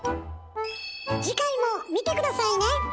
次回も見て下さいね！